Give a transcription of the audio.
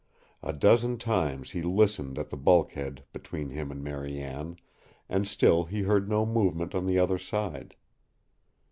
A dozen times he listened at the bulkhead between him and Marie Anne, and still he heard no movement on the other side.